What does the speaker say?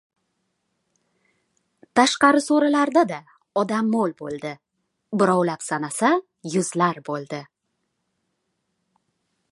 Tashqari so‘rilarda-da odam mo‘l bo‘ldi. Birovlab sanasa yuzlar bo‘ldi.